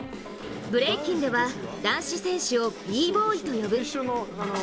ブレイキンでは、男子選手をＢ−Ｂｏｙと呼ぶ。